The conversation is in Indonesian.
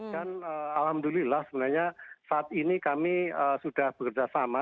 dan alhamdulillah sebenarnya saat ini kami sudah bekerjasama